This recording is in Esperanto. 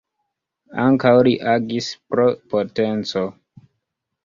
Ankaŭ li agis pro potenco.